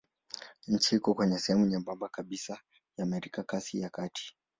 Nchi iko kwenye sehemu nyembamba kabisa ya Amerika ya Kati.